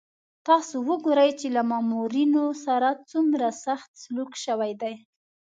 تاسو وګورئ له مامورینو سره څومره سخت سلوک شوی دی.